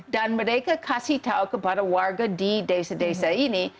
dan mereka kasih tahu kepada warga di desa desa ini